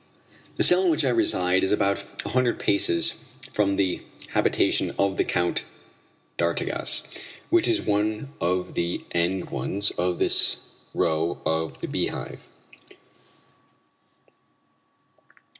The cell in which I reside is about a hundred paces from the habitation of the Count d'Artigas, which is one of the end ones of this row of the Beehive.